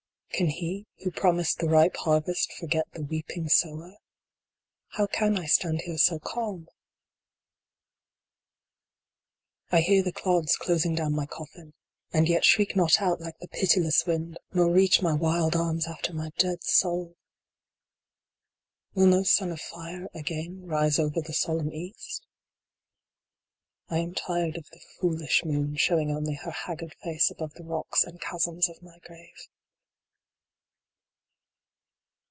Can He who promised the ripe Harvest forget the weep ing Sower ? How can I stand here so calm ? I hear the clods closing down my coffin, and yet shriek not out like the pitiless wind, nor reach my wild arms after my dead soul ! Will no sun of fire again rise over the solemn East ? I am tired of the foolish moon showing only her haggard face above the rocks and chasms of my grave.